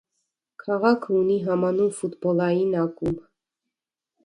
Քաղաքը ունի համանուն ֆութպոլային ակումբ։